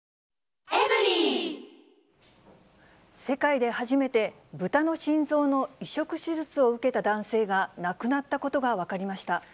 世界で初めてブタの心臓の移植手術を受けた男性が亡くなったことが分かりました。